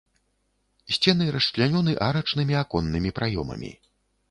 Сцены расчлянёны арачнымі аконнымі праёмамі.